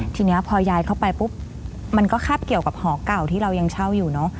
ทีนี้พอยายเข้าไปปุ๊บมันก็คาบเกี่ยวกับหอเก่าที่เรายังเช่าอยู่เนอะ